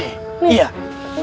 lebih suka suara